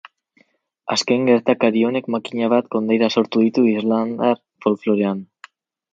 Azken gertakari honek makina bat kondaira sortu ditu irlandar folklorean.